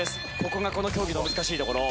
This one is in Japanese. ここがこの競技の難しいところ。